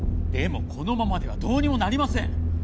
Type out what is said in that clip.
でもこのままではどうにもなりません！